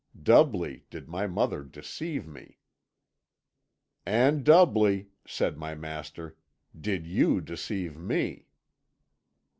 Doubly did my mother deceive me.' "'And doubly,' said my master, 'did you deceive me.'